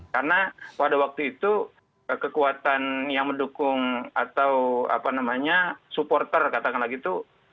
karena pada waktu itu kekuatan yang mendukung atau supporter katakanlah gitu